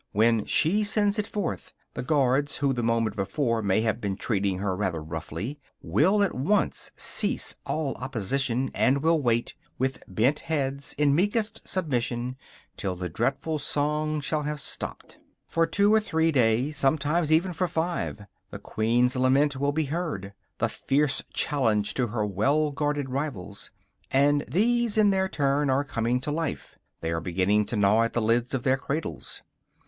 When she sends it forth, the guards, who the moment before may have been treating her rather roughly, will at once cease all opposition, and will wait, with bent heads, in meekest submission, till the dreadful song shall have stopped. For two or three days, sometimes even for five, the queen's lament will be heard, the fierce challenge to her well guarded rivals. And these, in their turn, are coming to life; they are beginning to gnaw at the lids of their cradles.